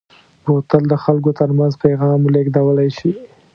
بوتل د خلکو ترمنځ پیغام لېږدولی شي.